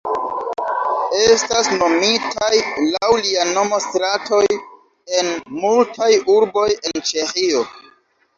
Estas nomitaj laŭ lia nomo stratoj en multaj urboj en Ĉeĥio.